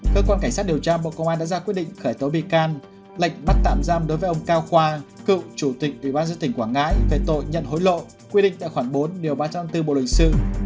cơ quan cảnh sát điều tra bộ công an đã ra quyết định khởi tố bị can lệnh bắt tạm giam đối với ông cao khoa cựu chủ tịch ủy ban dự tỉnh quảng ngãi về tội nhận hối lộ quy định tại khoản bốn điều ba trăm linh bốn bộ luật sư